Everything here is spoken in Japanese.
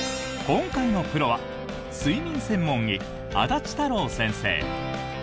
今回のプロは睡眠専門医、安達太郎先生。